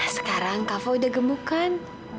sekarang kava udah gemuk kan